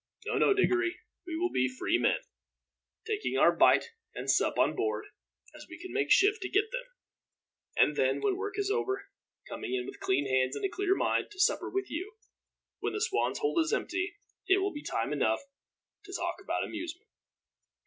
No, no, Diggory, we will be free men, taking our bite and sup on board, as we can make shift to get them; and then, when work is over, coming with clean hands and a clear mind, to supper with you. When the Swan's hold is empty, it will be time enough to talk about amusement."